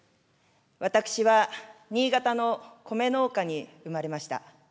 私は新潟の米農家に生まれました。